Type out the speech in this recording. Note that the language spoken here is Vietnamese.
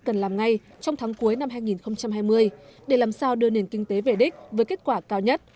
cần làm ngay trong tháng cuối năm hai nghìn hai mươi để làm sao đưa nền kinh tế về đích với kết quả cao nhất